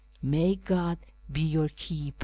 May God bo your keeper